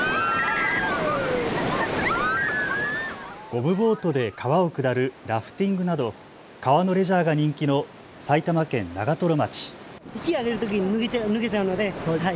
ゴムボートで川を下るラフティングなど川のレジャーが人気の埼玉県長瀞町。